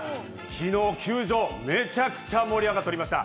昨日球場、めちゃくちゃ盛り上がっていました。